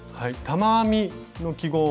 玉編みの記号